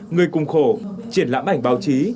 người cùng khổ triển lãm ảnh báo chí